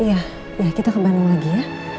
eee iya kita ke bandung lagi ya